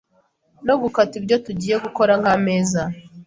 no gukata ibyo tugiye gukora nk’ameza